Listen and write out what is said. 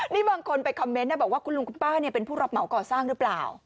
นี่บางคนไปคอมเมนต์นะบอกว่าคุณลุงคุณป้าเป็นผู้รับเหมาก่อสร้างหรือเปล่า